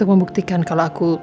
aku tapi aku